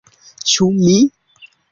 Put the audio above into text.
- Ĉu mi?